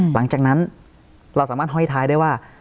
หลังจากนั้นเราสามารถห้อยท้ายได้ว่า